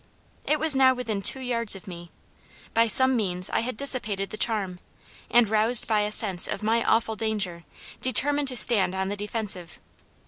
It was now within two yards of me. By some means I had dissipated the charm, and, roused by a sense of my awful danger, determined to stand on the defensive.